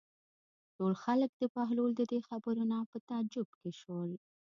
ټول خلک د بهلول د دې خبرو نه په تعجب کې شول.